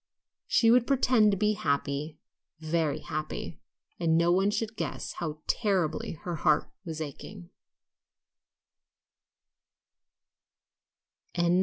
She would pretend to be happy, very happy, and no one should guess how terribly her heart was aching.